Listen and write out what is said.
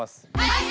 はい！